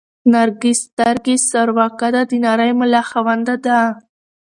نرګس سترګې، سروه قده، د نرۍ ملا خاونده ده